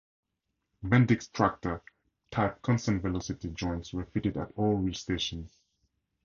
Bendix "Tracta" type constant velocity joints were fitted at all wheel stations.